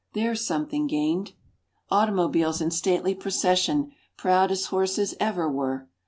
There's something gained. Automobiles in stately procession proud as horses ever were.